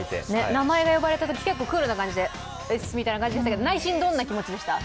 名前が呼ばれたとき、結構クールな感じでしたが、内心、どんな気持ちでしたか？